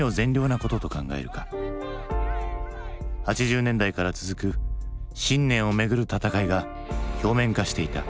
８０年代から続く信念をめぐる闘いが表面化していた。